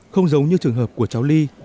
không giống như trường hợp của cháu ly